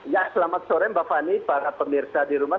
ya selamat sore mbak fani para pemirsa di rumah